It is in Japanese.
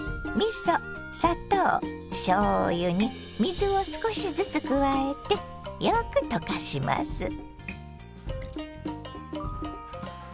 みそ砂糖しょうゆに水を少しずつ加えてよく溶かします。